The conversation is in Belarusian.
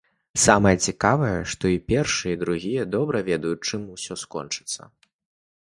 Самае цікавае, што і першыя, і другія добра ведаюць, чым усё скончыцца.